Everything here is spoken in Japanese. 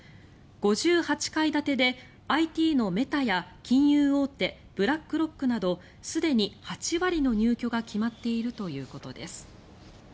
５８階建てでＩＴのメタや金融大手ブラックロックなどすでに８割の入居が決まっているということです。